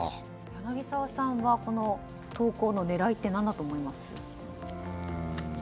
柳澤さんはこの投稿の狙いは何だと思います？